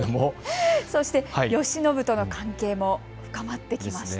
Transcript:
そして、慶喜との関係も深まってきました。